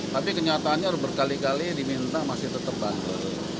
tapi kenyataannya harus berkali kali diminta masih tetap bantu